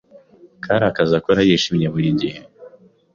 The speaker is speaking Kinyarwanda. Kari akazi akora yishimye buri gihe